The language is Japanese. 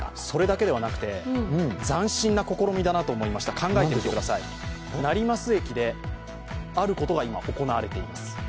それだけではなくて、斬新な試みだなと思いました、考えてみてください、成増駅であることが今、行われています。